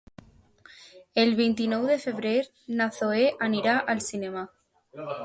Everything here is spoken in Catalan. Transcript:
El vint-i-nou de febrer na Zoè anirà al cinema.